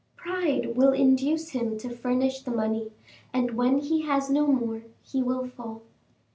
Pride will induce him to furnish the money, and when he has no more, he will fall."